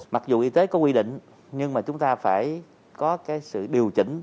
mặc dù y tế có quy định nhưng mà chúng ta phải có cái sự điều chỉnh